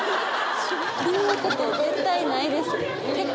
こんなこと絶対ないです